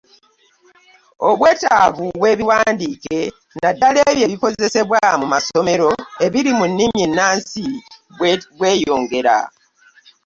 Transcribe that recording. Obwetaavu bw'ebiwandiike naddala ebyo ebikozesebwa mu masomero ebiri mu nnimi ennansi bweyongera.